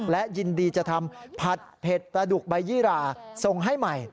และยินดีจะทำผัดเผ็ดปลาดุกใบยี่ราส่งให้ใหม่